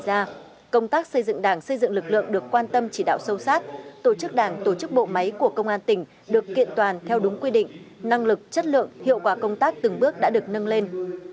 vì xây dựng đảng xây dựng lực lượng được quan tâm chỉ đạo sâu sát tổ chức đảng tổ chức bộ máy của công an tỉnh được kiện toàn theo đúng quy định năng lực chất lượng hiệu quả công tác từng bước đã được nâng lên